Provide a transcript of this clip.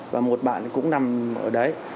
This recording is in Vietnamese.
và một bạn cũng nằm ở đấy